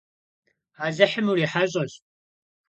Alıhım vuriheş'eş!